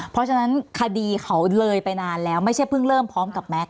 เพราะฉะนั้นคดีเขาเลยไปนานแล้วไม่ใช่เพิ่งเริ่มพร้อมกับแม็กซ